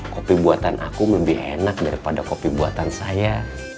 kopi buatan aku lebih enak daripada kopi buatan saya